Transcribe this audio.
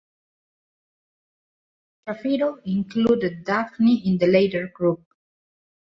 Shapiro included Dabney in the latter group.